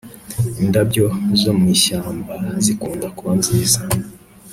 indabyo zo mwishyamba zikunda kuba nziza